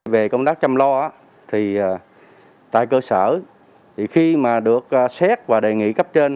về công tác chăm lo tại cơ sở khi mà được xét và đề nghị